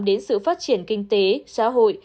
đến sự phát triển kinh tế xã hội